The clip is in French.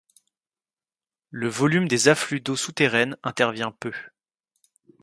Le volume des afflux d'eaux souterraines intervient peu.